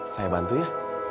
saya bantu ya